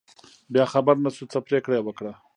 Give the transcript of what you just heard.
بیا خبر نشو، څه پرېکړه یې وکړه.